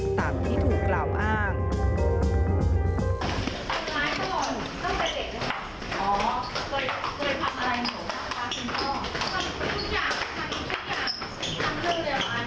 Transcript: ตามที่ถูกกล่าวอ้าง